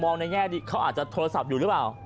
มองในแง่คึณเขาอาจจะถ้อสับอยู่หรือเปล่า